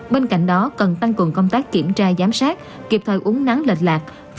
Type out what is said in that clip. bên cạnh đó cần tăng cường công tác kiểm tra giám sát kịp thời uống nắng lịch lạc